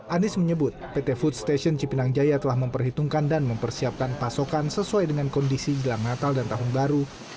anies menyebut pt food station cipinang jaya telah memperhitungkan dan mempersiapkan pasokan sesuai dengan kondisi jelang natal dan tahun baru